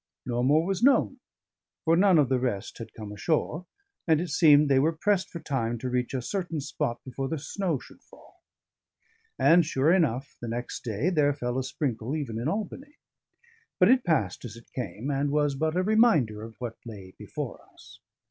No more was known, for none of the rest had come ashore, and it seemed they were pressed for time to reach a certain spot before the snow should fall. And sure enough, the next day there fell a sprinkle even in Albany; but it passed as it came, and was but a reminder of what lay before us.